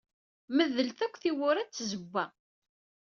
Medlet akk tiwwura d tzewwa.